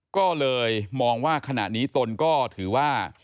ก็เลยมองว่าขณะนี้ตนก็ถือว่า